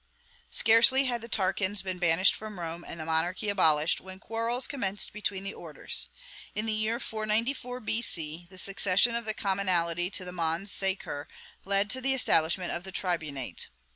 Scarcely had the Tarquins been banished from Rome and the monarchy abolished, when quarrels commenced between the orders. In the year 494 B.C., the secession of the commonalty to the Mons Sacer led to the establishment of the tribunate.